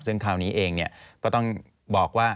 ซึ่งคราวนี้เองก็ต้องบอกว่า